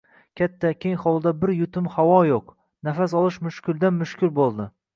Katta, keng hovlida bir yutum havo yo`q, nafas olish mushkuldan-mushkul bo`ldi